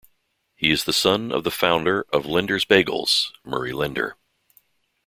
He is the son of the founder of Lender's Bagels, Murray Lender.